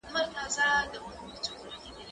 کتابتون ته راشه،